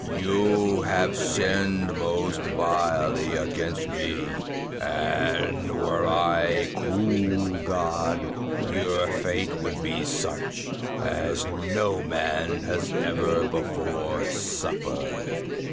"_You have sinned most vilely against me, and were I a cruel god, your fate would be such as no man has ever before suffered.